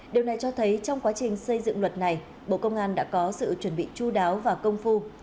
điều này cho thấy trong quá trình xây dựng luật này bộ công an đã có sự chuẩn bị chú đáo và công phu